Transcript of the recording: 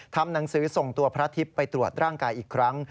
ทำหนังสือส่งตัวพระทิพย์ไปตรวจร่างกายอีกครั้ง